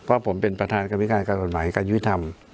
ว่าผมเป็นประธานการ๓๕๐๐๕การ์ก้อนหมายการยุทธรรม